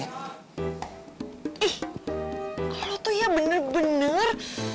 ih kalau tuh ya bener bener